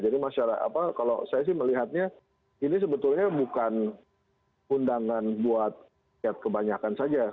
jadi masyarakat apa kalau saya sih melihatnya ini sebetulnya bukan undangan buat kebanyakan saja